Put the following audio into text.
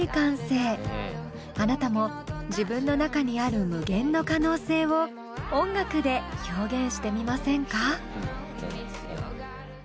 あなたも自分の中にある無限の可能性を音楽で表現してみませんか？